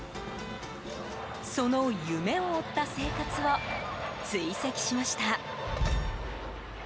その夢を追った生活を追跡しました。